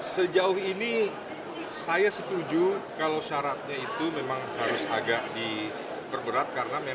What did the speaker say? sejauh ini saya setuju kalau syaratnya itu memang harus agak diperberat karena memang